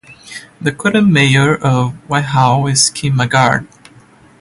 The current mayor of Whitehall is Kim Maggard.